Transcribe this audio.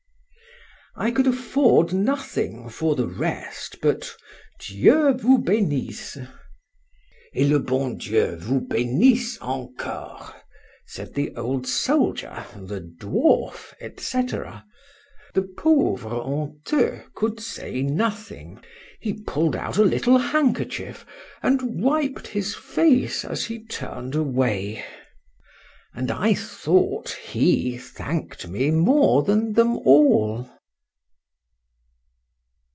I could afford nothing for the rest, but Dieu vous bénisse! —Et le bon Dieu vous bénisse encore, said the old soldier, the dwarf, &c. The pauvre honteux could say nothing;—he pull'd out a little handkerchief, and wiped his face as he turned away—and I thought he thanked me more than them all.